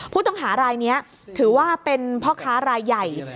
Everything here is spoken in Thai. ผู้ต้องหารายนี้ถือว่าเป็นพ่อค้ารายใหญ่